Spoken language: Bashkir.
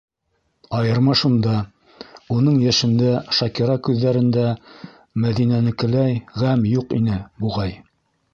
Айырма шунда: уның йәшендә Шакира күҙҙәрендә Мәҙинәнекеләй ғәм юҡ ине, буғай.